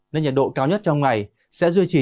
nên nhiệt độ cao nhất trong ngày sẽ duy trì